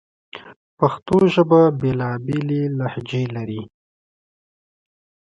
احمد سره دومره کبر پیدا شوی سړي ته د سړي په سترګه نه ګوري.